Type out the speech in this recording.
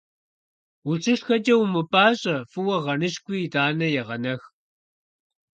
УщышхэкӀэ умыпӀащӀэ, фӀыуэ гъэныщкӀуи, итӀанэ егъэнэх.